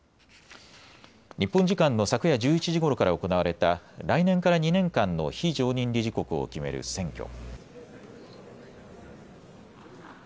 日本時間の昨夜１１時ごろから行われた来年から２年間の非常任理事国を決める選挙。